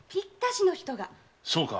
そうか！